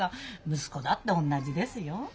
息子だっておんなじですよ。